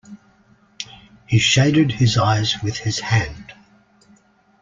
He shaded his eyes with his hand.